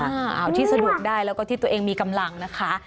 เอาที่สะดวกได้แล้วก็ที่ตัวเองมีกำลังนะคะ